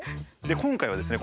今回はですね